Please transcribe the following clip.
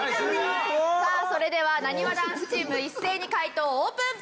さあそれではなにわ男子チーム一斉に解答オープン！